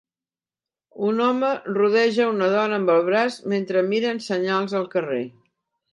Un home rodeja una dona amb el braç mentre miren senyals al carrer.